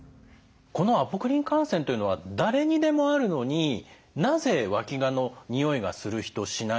このアポクリン汗腺というのは誰にでもあるのになぜわきがのにおいがする人しない人が出てくるんでしょう？